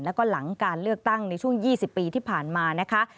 แล้วก็หลังการเลือกตั้งในช่วง๒๐ปีที่ผ่านมานะคะ